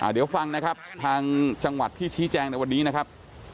เดี๋ยวฟังนะครับทางจังหวัดที่ชี้แจงในวันนี้นะครับ